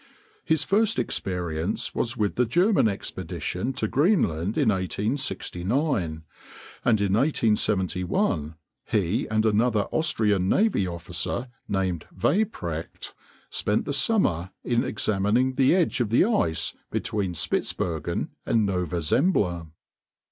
His first experience was with the German expedition to Greenland in 1869, and in 1871 he and another Austrian navy officer named Weyprecht spent the summer in examining the edge of the ice between Spitzbergen and Nova Zembla.